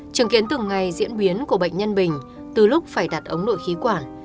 chứng kiến từng ngày diễn biến của bệnh nhân bình từ lúc phải đặt ống nội khí quản